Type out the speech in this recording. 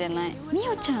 美桜ちゃん